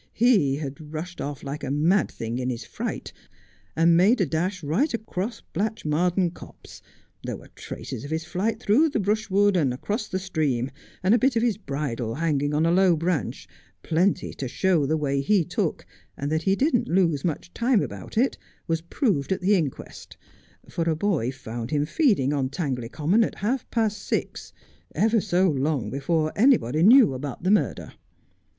He'd rushed off like a mad thing in his fright, and made a dash right across Blatch mardean Copse ; there were the traces of his flight through the brushwood and across the stream, and a bit of his bridle hanging on a low branch, plenty to show the way he took, and that he didn't lose much time about it was proved at the inquest, for a boy found him feeding on Tangley Common at half past six, ever so long before anybody knew about the murder.